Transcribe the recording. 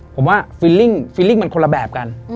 ผมว่าฟิลลิ่งมันคนละแบบกัน